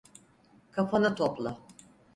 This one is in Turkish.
Kafanı topla.